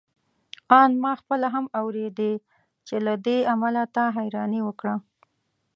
آن ما خپله هم اورېدې چې له دې امله تا حيراني وکړه.